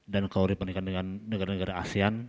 dan kalau dibandingkan dengan negara negara asean